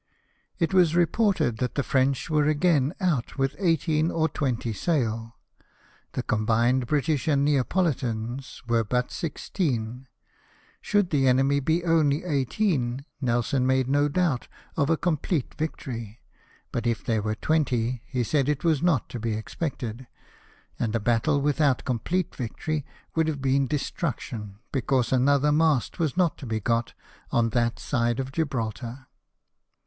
It was reported that the French were again out with eighteen or twenty sail. The com bined British and Neapohtan were but sixteen; should the enemy be only eighteen. Nelson made no doubt of a complete victory ; but if they were twenty, he said it was not to be expected ; and a battle with out complete victory would have been destruction, because another mast was not to be got on that side Gibraltar.